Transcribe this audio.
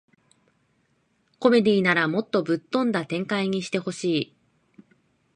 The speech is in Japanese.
コメディならもっとぶっ飛んだ展開にしてほしい